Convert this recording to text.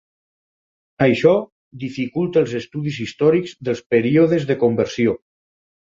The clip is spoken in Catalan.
Això dificulta els estudis històrics dels períodes de conversió.